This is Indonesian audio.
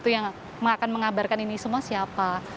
yang akan mengabarkan ini semua siapa